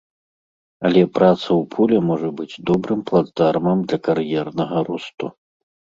Але праца ў пуле можа быць добрым плацдармам для кар'ернага росту.